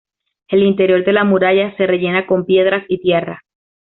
El interior de la muralla se rellena con piedras y tierra.